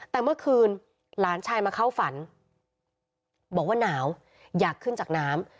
แต่เมื่อคืนหลานชายมาเข้าฝันบอกว่าหนาวอยากขึ้นจากน้ำ